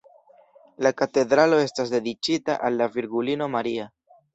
La katedralo estas dediĉita al la Virgulino Maria.